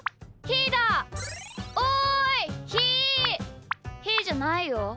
ひーじゃないよ。